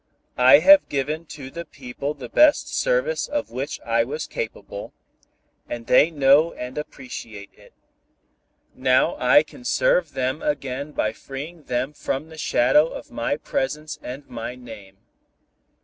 "I have given to the people the best service of which I was capable, and they know and appreciate it. Now I can serve them again by freeing them from the shadow of my presence and my name.